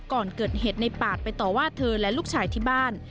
ก่อนเกิดเหตุในปาดไปต่อว่าเธอและลูกชายที่บ้าน